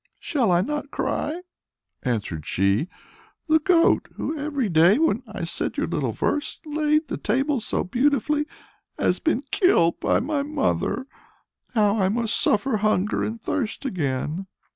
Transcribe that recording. "Shall I not cry?" answered she. "The goat who every day, when I said your little verse, laid the table so beautifully, has been killed by my mother; now I must suffer hunger and thirst again."